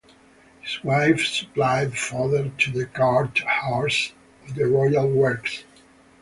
His wife supplied fodder to the cart horses of the royal works.